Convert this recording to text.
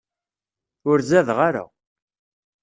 Ur zadeɣ ara.